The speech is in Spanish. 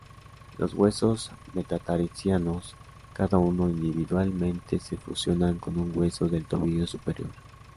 Los huesos metatarsianos, cada uno individualmente, se fusionan con un hueso del tobillo superior.